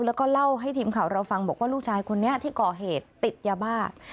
แล้วก็เล่าให้ทีมข่าวเราฟังบอกว่าลูกชายคนนี้ที่ก่อเหตุติดยาบ้า